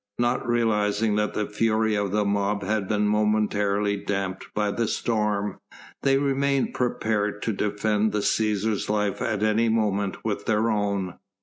Not realising that the fury of the mob had been momentarily damped by the storm, they remained prepared to defend the Cæsar's life at any moment with their own.